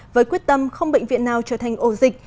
với quyết tâm không bệnh viện nào trở thành ổ dịch